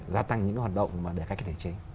gia tăng những hoạt động để cách thể chế